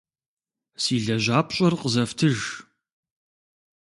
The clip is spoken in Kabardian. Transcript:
Си лэжьапщӏэр къызэфтыж!